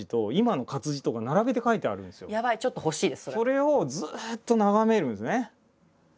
それをずっと眺めるんですね。